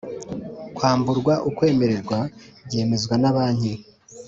Kwamburwa ukwemererwa byemezwa na Banki